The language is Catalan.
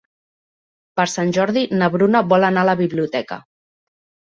Per Sant Jordi na Bruna vol anar a la biblioteca.